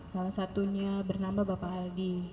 salah satunya bernama bapak aldi